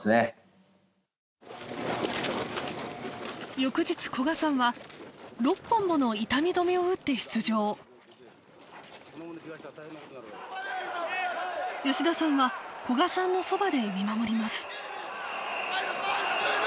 翌日古賀さんは６本もの痛み止めを打って出場吉田さんは古賀さんのそばで見守ります